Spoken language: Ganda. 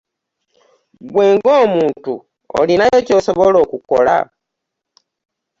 Ggwe nga omuntu olinayo ky'osobola okukola?